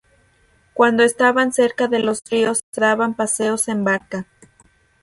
Cuando estaban cerca de los ríos se daban paseos en barca.